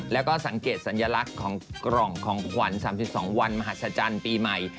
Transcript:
แล้วก็สังเกตสัญลักษณ์ของกล่องของขวัญ๓๒วันมหัศจรรย์ปีใหม่